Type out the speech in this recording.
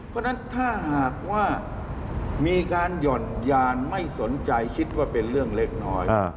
เพราะฉะนั้นถ้าหากว่ามีการหย่อนยานไม่สนใจคิดว่าเป็นเรื่องเล็กน้อย